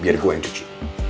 biar gue yang cuci